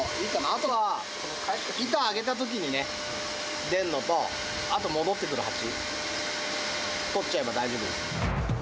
あとは板上げたときにね、出るのと、あと戻ってくるハチ捕っちゃえば大丈夫。